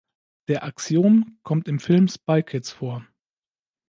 Der Axiom kommt im Film "Spy Kids" vor.